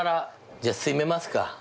じゃあ締めますか。